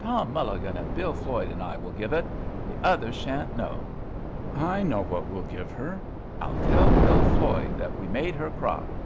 Tom Mulligan and Bill Floyd and I will give it. The others sha'n't know. I know what we'll give her. I'll tell Bill Floyd that we made her cry."